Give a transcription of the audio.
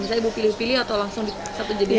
misalnya ibu pilih pilih atau langsung satu jadi